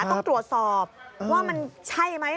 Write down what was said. ต้องตรวจสอบว่ามันใช่ไหม